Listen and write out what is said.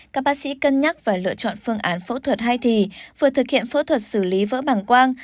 các bác sĩ cân nhắc và lựa chọn phương án phẫu thuật hai thì vừa thực hiện phẫu thuật xử lý vỡ bằng quang